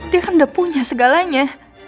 dia kan udah punya segalanya